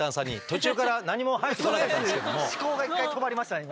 思考が一回止まりました今。